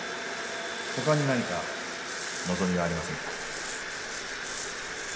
他に何か望みはありませんか？